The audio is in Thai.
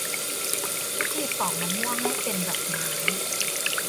วิธีปอกมะม่วงให้เป็นดอกไม้